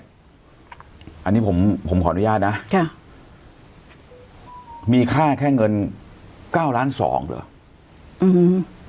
อันนี้ผมผมขออนุญาตนะค่ะมีค่าแค่เงินเก้าล้านสองเหรออืม